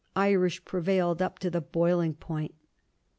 Irish prevailed up to boiling point.